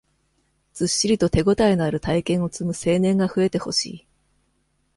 ずっしりと手応えのある体験を積む青年が増えてほしい。